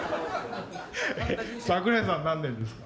桜井さん何年ですか？